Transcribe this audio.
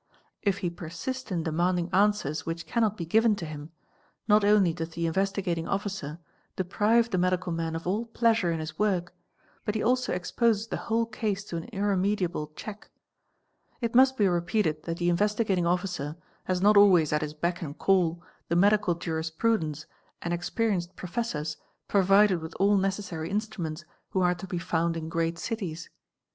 If he persist in = demanding answers which cannot be given to him, not only does the Investigating Officer deprive the medical man of all pleasure in his work but he also exposes the whole case to an irremediable check. It must be — repeated that the Investigating Officer has not always at his beck and call the medical jurisprudents and experienced professors provided with all necessary instruments who are to be found in great cities.